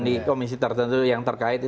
di komisi tertentu yang terkait